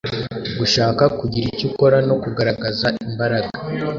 gushaka kugira icyo ukora no kugaragaza imbaraga.